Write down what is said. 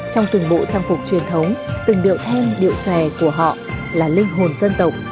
trong từng bộ trang phục truyền thống từng điệu then điệu xòe của họ là linh hồn dân tộc